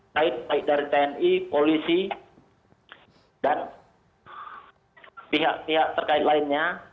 baik baik dari tni polisi dan pihak pihak terkait lainnya